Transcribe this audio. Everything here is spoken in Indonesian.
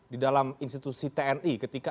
di dalam institusi tni ketika